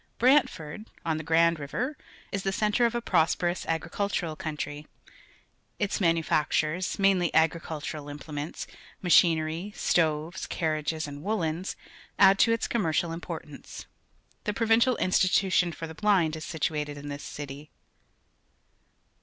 Brantjo rd, on the Grand River, is.the centre of a prosper ous agricultur al country. Its manufac tui'es, mainly agricultural implements, machinerj', stoves, carriages, and w oollens, a dd to its com mercial importance. The Provincial Institution for the Blind is situated ia this city.